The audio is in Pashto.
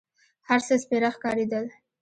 هر څه سپېره ښکارېدل.